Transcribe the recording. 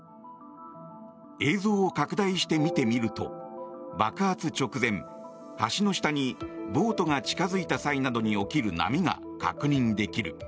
映像を拡大して見てみると爆発直前橋の下にボートが近づいた際などに起きる波が確認できる。